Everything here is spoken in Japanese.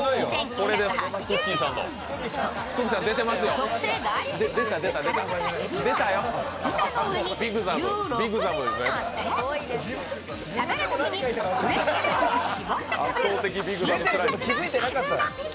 特製ガーリックソースに絡めたえびをピザの上に１６尾ものせ、食べるときにフレッシュレモンを絞って食べる新感覚のシーフードピザ。